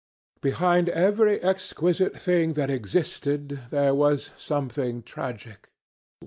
Behind every exquisite thing that existed, there was something tragic.